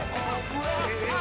えっ！